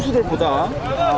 dan lebih bergerak dari timnya